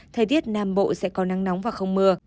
thời tiết nam bộ sẽ có nắng nóng và không mưa